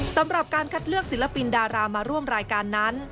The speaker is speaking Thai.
สำหรับการคัดเลือกศิลปินดารามาร่วมรายการนั้น